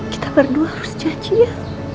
kita berdua harus caci ya